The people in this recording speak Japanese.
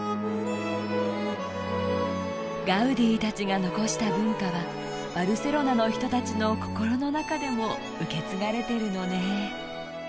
ガウディたちが残した文化はバルセロナの人たちの心の中でも受け継がれてるのねぇ！